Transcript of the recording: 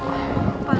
kau juga ia